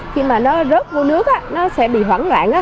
khi mà nó rớt vô nước nó sẽ bị hoảng loạn